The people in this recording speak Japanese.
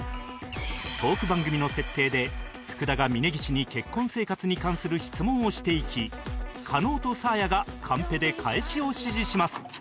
トーク番組の設定で福田が峯岸に結婚生活に関する質問をしていき加納とサーヤがカンペで返しを指示します